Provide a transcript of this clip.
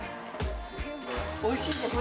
おいしいですよ。